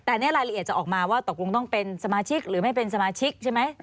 แต่เนี่ยรายละเอียดจะออกมาว่าตกลงต้องเป็นสมาชิกหรือไม่เป็นสมาชิกใช่ไหม